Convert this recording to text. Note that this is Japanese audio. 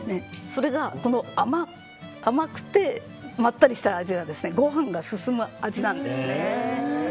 それが、甘くてまったりした味でご飯が進む味なんです。